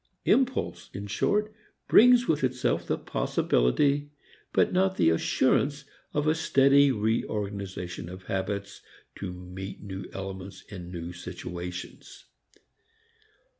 Impulse in short brings with itself the possibility but not the assurance of a steady reorganization of habits to meet new elements in new situations.